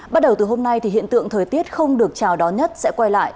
bắt đầu từ hôm nay thì hiện tượng thời tiết không được chào đón nhất sẽ quay lại